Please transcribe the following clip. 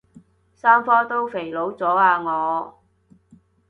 三科都肥佬咗啊我